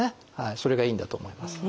それがいいんだと思います。